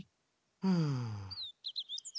うん。